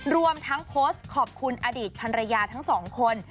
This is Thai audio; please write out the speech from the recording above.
รวมทั้งโพสต์ขอบคุณอดีตภรรยาทั้งสองคน